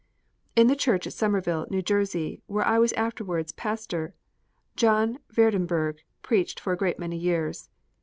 In the church at Somerville, New Jersey, where I was afterwards pastor, John Vredenburgh preached for a great many years.